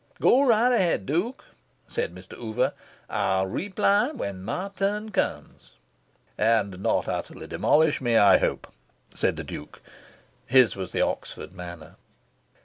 "Go right ahead, Duke," said Mr. Oover. "I'll re ply when my turn comes." "And not utterly demolish me, I hope," said the Duke. His was the Oxford manner.